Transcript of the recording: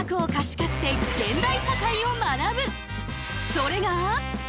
それが。